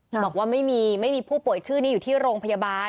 บอกว่าไม่มีไม่มีผู้ป่วยชื่อนี้อยู่ที่โรงพยาบาล